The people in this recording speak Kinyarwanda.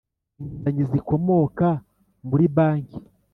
Inguzanyo zikomoka mu ri banki